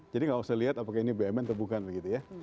jadi nggak usah lihat apakah ini bumn atau bukan gitu ya